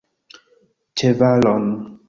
Ĉevalon!